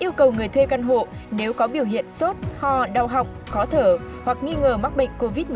yêu cầu người thuê căn hộ nếu có biểu hiện sốt ho đau họng khó thở hoặc nghi ngờ mắc bệnh covid một mươi chín